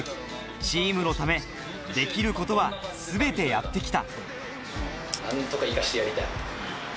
チームのため、できることはすべてやってきた。